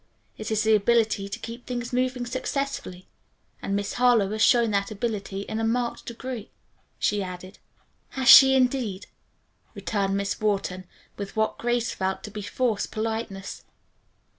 "It is the ability to keep things moving successfully, and Miss Harlowe has shown that ability in a marked degree," she added. "Has she, indeed?" returned Miss Wharton, with what Grace felt to be forced politeness.